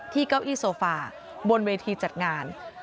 เก้าอี้โซฟาบนเวทีจัดงาน